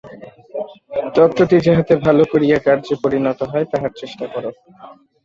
তত্ত্বটি যাহাতে ভাল করিয়া কার্যে পরিণত হয়, তাহার চেষ্টা কর।